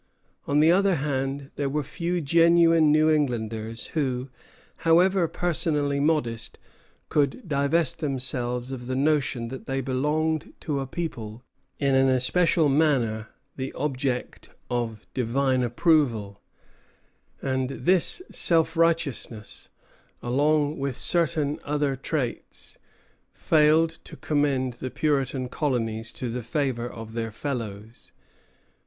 On the other hand, there were few genuine New Englanders who, however personally modest, could divest themselves of the notion that they belonged to a people in an especial manner the object of divine approval; and this self righteousness, along with certain other traits, failed to commend the Puritan colonies to the favor of their fellows.